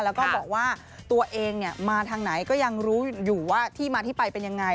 แล้วก็บอกว่าตัวเองมาทางไหนก็ยังรู้อยู่ว่าที่มาที่ไปเป็นยังไง